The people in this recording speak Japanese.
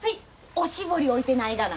おしぼり置いてないがな。